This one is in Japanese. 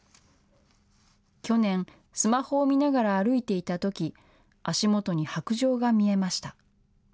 去年、スマホを見ながら歩いていたとき、足元に白じょうが見えました。